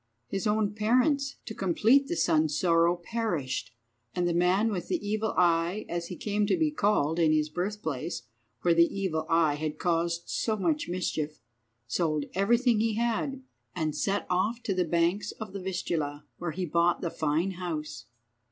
His own parents, to complete the son's sorrow, perished, and the man with the evil eye, as he came to be called in his birthplace, where the evil eye had caused so much mischief, sold everything he had, and set off to the banks of the Vistula, where he bought the fine house.